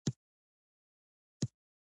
د دې نه علاوه يوه غټه وجه